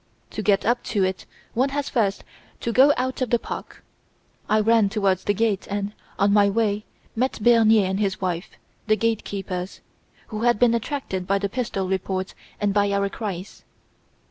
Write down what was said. To get up to it one has first to go out of the park. I ran towards the gate and, on my way, met Bernier and his wife, the gate keepers, who had been attracted by the pistol reports and by our cries.